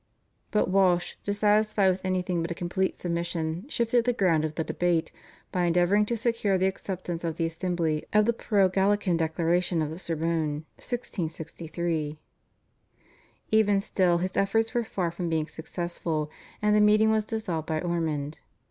But Walsh, dissatisfied with anything but a complete submission, shifted the ground of the debate, by endeavouring to secure the acceptance of the assembly of the pro Gallican declaration of the Sorbonne (1663). Even still his efforts were far from being successful, and the meeting was dissolved by Ormond.